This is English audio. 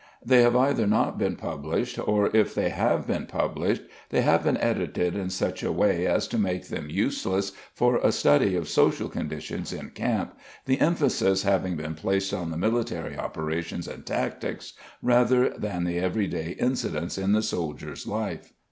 They have either not been published or if they have been published they have been edited in such a way as to make them useless for a study of social conditions in camp, the emphasis having been placed on the military operations and tactics rather than the every day incidents in the soldier's life.